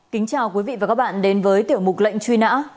kính chào quý vị và các bạn đến với tiểu mục lệnh truy nã